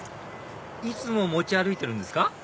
いつも持ち歩いてるんですか？